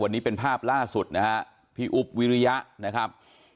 วันนี้เป็นภาพล่าสุดนะฮะพี่อุ๊บวิริยะนะครับ